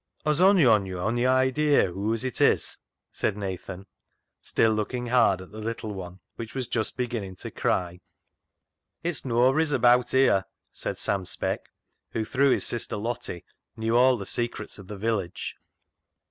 " Has ony on yo' ony idea whoase it is ?" asked Nathan, still looking hard at the little one, which was just beginning to cry. " It's noabry's abaat here," said Sam Speck, who, through his sister Lottie, knew all the secrets of the village.